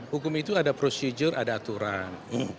hukum itu ada prosedur ada aturan